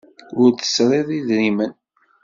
Ur tesriḍ idrimen.